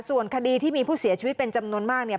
ส่วนคดีที่มีผู้เสียชีวิตเป็นจำนวนมากเนี่ย